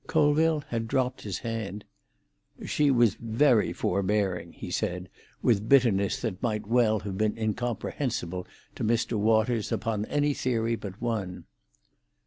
Colville had dropped his hand. "She was very forbearing," he said, with bitterness that might well have been incomprehensible to Mr. Waters upon any theory but one.